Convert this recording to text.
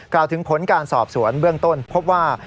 กล่าวถึงผลการสอบสวนเบื้องต้นพบว่า